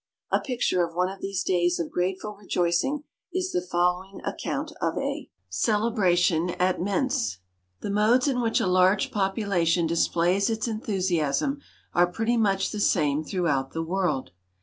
A picture of one of these days of grateful rejoicing is the following account of a CELEBRATION AT MENTZ. "The modes in which a large population displays its enthusiasm are pretty much the same throughout the world.